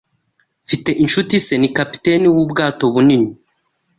Mfite inshuti se ni capitaine wubwato bunini.